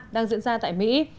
đang diễn ra tại mỹ